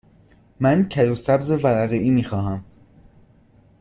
من کدو سبز ورقه ای می خواهم.